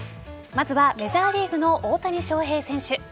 まずはメジャーリーグの大谷翔平選手。